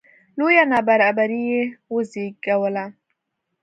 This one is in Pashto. لویه نابرابري یې وزېږوله